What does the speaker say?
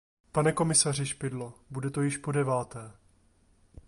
Pane komisaři Špidlo, bude to již podeváté.